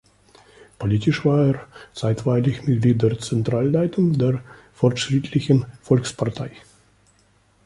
Politisch war er zeitweilig Mitglied der Zentralleitung der Fortschrittlichen Volkspartei.